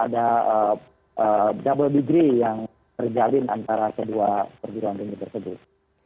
ada double bigree yang terjalin antara kedua perguruan tinggi tersebut